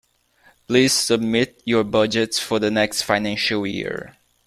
Please submit your budgets for the next financial year